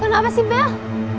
kau nabek si bel